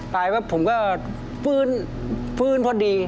ไปแล้วผมก็ฟื้นฟื้นพอดี